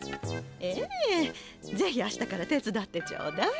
ええぜひあしたからてつだってちょうだい。